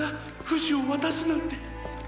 フシを渡すなんて。